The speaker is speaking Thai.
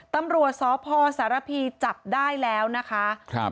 ตำรวจสพสารพีจับได้แล้วนะคะครับ